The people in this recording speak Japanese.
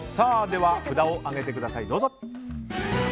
では札を上げてください。